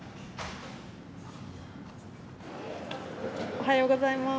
おはようございます。